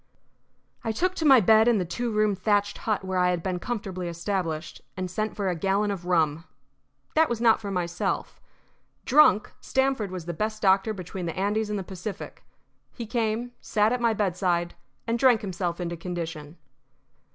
I took to my bed in the two roomed thatched hut where I had been comfortably established, and sent for a gallon of rum. That was not for myself. Drunk, Stamford was the best doctor between the Andes and the Pacific. He came, sat at my bedside, and drank himself into condition.